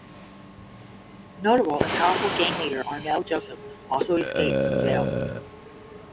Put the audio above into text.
Notable and powerful gang leader Arnel Joseph also escaped from the jail.